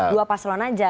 dua paslon aja